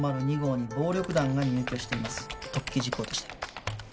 特記事項として。